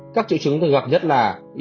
các triệu chứng được gặp nhất là yếu